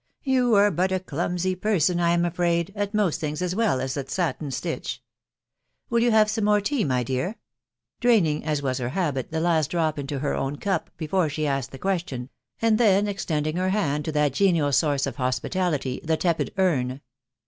You are but a clumsy person, I am afraid, at most things, as well as at satin stitch. Will you have some more tea. my dear ?"..•• draining, as was her habit, the last drop into her own cup before she asked the question, and then extending her hand to that genial source of hospitality, the tepid urn.